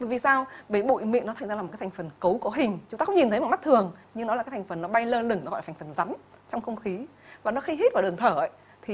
vì sao vì bụi mịn nó thành ra là một cái thành phần cấu có hình